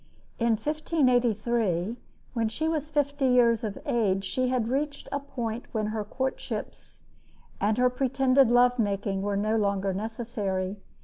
In 1583, when she was fifty years of age, she had reached a point when her courtships and her pretended love making were no longer necessary.